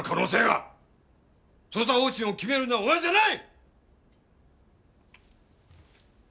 捜査方針を決めるのはお前じゃない！